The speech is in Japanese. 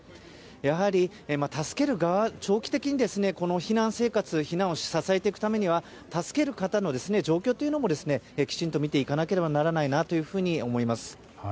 やはり助ける側、長期的にこの避難生活避難を支えていくためには助ける方の状況もきちんと見ていかないといけないなと思います。